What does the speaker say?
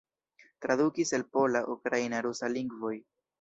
Tradukis el pola, ukraina, rusa lingvoj.